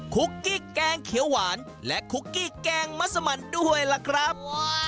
คุกกี้แกงเขียวหวานและคุกกี้แกงมัสมันด้วยล่ะครับ